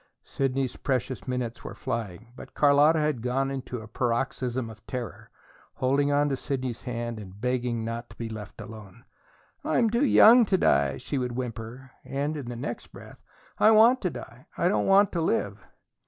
Sidney's precious minutes were flying; but Carlotta had gone into a paroxysm of terror, holding to Sidney's hand and begging not to be left alone. "I'm too young to die," she would whimper. And in the next breath: "I want to die I don't want to live!"